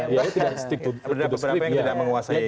ada beberapa yang tidak menguasai persoalan juga